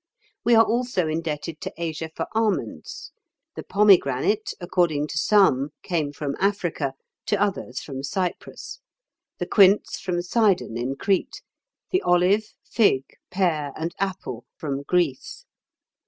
We are also indebted to Asia for almonds; the pomegranate, according to some, came from Africa, to others from Cyprus; the quince from Cydon in Crete; the olive, fig, pear, and apple, from Greece.